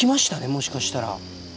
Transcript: もしかしたら。